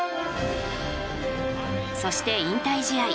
そして引退試合。